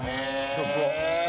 曲を。